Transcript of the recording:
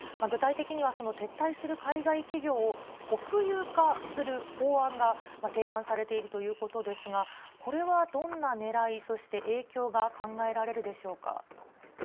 具体的には、その撤退する海外企業を国有化する法案が提案されているということですが、これはどんなねらい、そして影響が考えられるでしょうか。